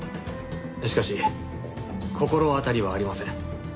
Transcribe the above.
しかし心当たりはありません。